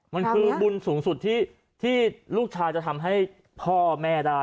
มันคือบุญสูงสุดที่ลูกชายจะทำให้พ่อแม่ได้